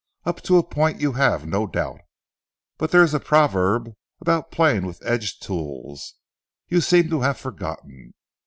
"Up to a point you have no doubt. But there is a proverb about playing with edged tools, you seem to have forgotten.